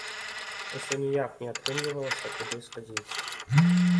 Усё ніяк не атрымлівалася туды схадзіць.